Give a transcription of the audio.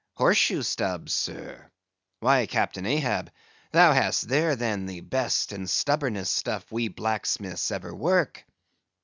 "Horse shoe stubbs, sir? Why, Captain Ahab, thou hast here, then, the best and stubbornest stuff we blacksmiths ever work."